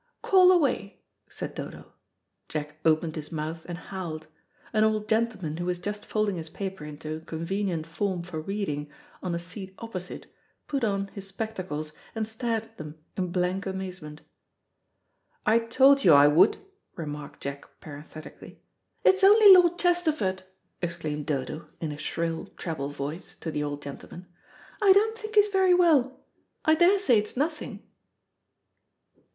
"Call away," said Dodo. Jack opened his mouth and howled. An old gentleman, who was just folding his paper into a convenient form for reading, on a seat opposite, put on his spectacles and stared at them in blank amazement. "I told you I would," remarked Jack parenthetically, "It's only Lord Chesterford," exclaimed Dodo, in a shrill, treble voice, to the old gentleman. "I don't think he's very well. I daresay it's nothing."